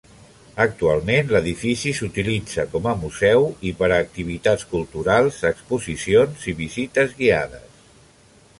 Actualment, l'edifici s'utilitza com a museu i per a activitats culturals, exposicions i visites guiades.